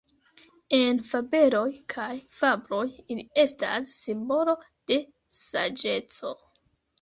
En fabeloj kaj fabloj ili estas simbolo de saĝeco.